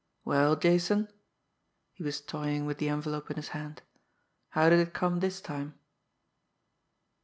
"Well, Jason?" He was toying with the envelope in his hand. "How did it come this time?"